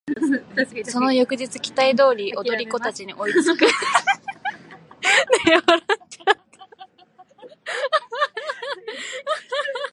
その翌日期待通り踊り子達に追いつく処から始まります。